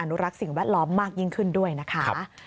รักสิ่งแวดล้อมมากยิ่งขึ้นด้วยนะคะ